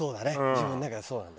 自分の中でそうなんだよね。